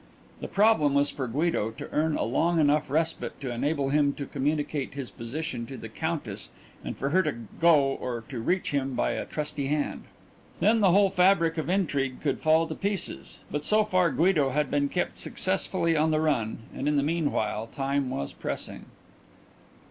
The problem was for Guido to earn a long enough respite to enable him to communicate his position to the Countess and for her to go or to reach him by a trusty hand. Then the whole fabric of intrigue could fall to pieces, but so far Guido had been kept successfully on the run and in the meanwhile time was pressing.